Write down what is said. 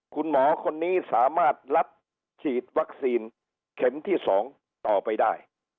คุณหมอคนนี้สามารถรับฉีดวัคซีนเข็มที่๒ต่อไปได้